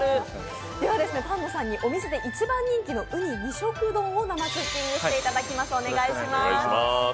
では丹野さんにこのお店で一番人気の二色丼を生クッキングしていただきますお願いします。